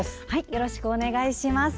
よろしくお願いします。